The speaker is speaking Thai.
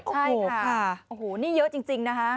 ใช่ค่ะโอ้โหนี่เยอะจริงนะคะ